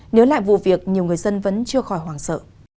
nếu lại vụ việc nhiều người dân vẫn chưa khỏi hoàng sợ